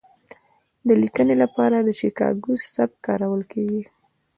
د لیکنې لپاره د شیکاګو سبک کارول کیږي.